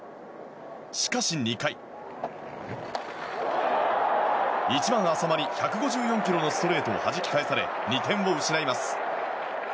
しかし、２回１番、淺間に１５４キロのストレートをはじき返され２点を失います。